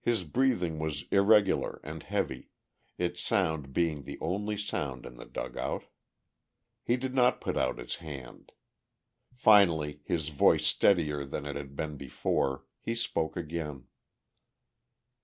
His breathing was irregular and heavy, its sound being the only sound in the dugout. He did not put out his hand. Finally, his voice steadier than it had been before, he spoke again.